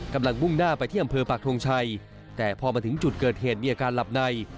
กำลังมุ่งหน้าไปที่อำเภอปากทงชัยแต่พอมาถึงจุดเกิดเหตุมีอาการหลับใน